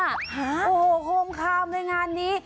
โอ้โหโฮมคำในงานนี้